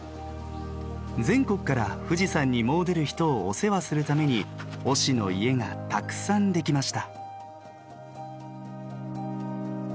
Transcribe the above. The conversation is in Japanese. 全国から富士山に詣でる人をお世話するために御師の家がたくさん出来ました。